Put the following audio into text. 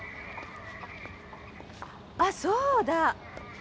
あっそうだ！